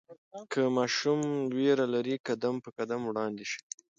که ماشوم ویره لري، قدم په قدم وړاندې شئ.